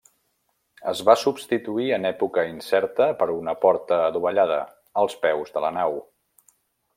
Es va substituir en època incerta per una porta adovellada, als peus de la nau.